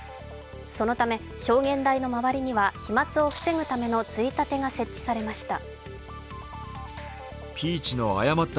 そのため、証言台の周りには飛まつを防ぐためのついたてが設置されました。